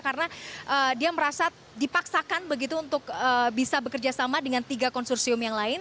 karena dia merasa dipaksakan begitu untuk bisa bekerja sama dengan tiga konsursium yang lain